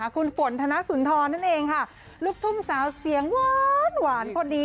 คุณฝนธนสุนทรนั่นเองค่ะลูกทุ่งสาวเสียงหวานพอดี